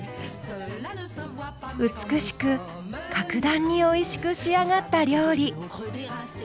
美しく格段においしく仕上がった料理。